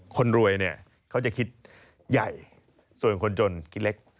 คนรวยเนี่ยเขาจะคิดใหญ่ส่วนคนจนคิดเล็ก